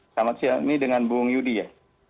selamat siang ini dengan bung yudi ya